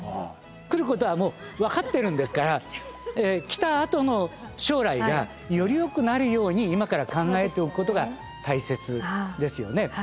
来ることはもう分かってるんですから来たあとの将来がよりよくなるように今から考えておくことが大切ですよね。